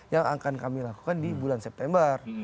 yang akan kami lakukan di bulan september